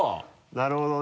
なるほどね。